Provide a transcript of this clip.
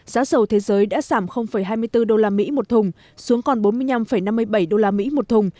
giá dầu thế giới đã giảm hai mươi bốn đô la mỹ một thùng xuống còn bốn mươi năm năm mươi bảy đô la mỹ một thùng